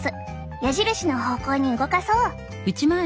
矢印の方向に動かそう。